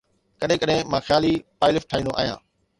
ڪڏهن ڪڏهن مان خيالي پائلف ٺاهيندو آهيان